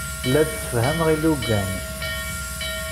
La d-ssefhameɣ ilugan.